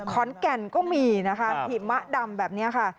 ขอนแก่นก็มีนะคะหิมะดำแบบนี้ค่ะ